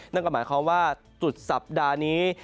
นั่นก็หมายความว่าสุดสัปดาห์นี้